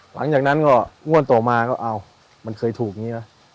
หลังจากนั้นก็งวดต่อมาก็เอามันเคยถูกอย่างนี้นะ